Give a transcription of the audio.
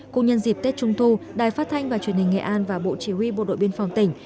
cùng nhân dịp tết trung thu đài phát thanh và truyền hình nghệ an và bộ chỉ huy bộ đội biên phòng tỉnh